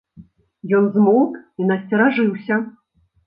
Ён змоўк і насцеражыўся.